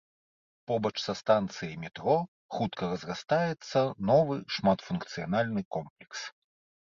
Побач са станцыяй метро хутка разрастаецца новы шматфункцыянальны комплекс.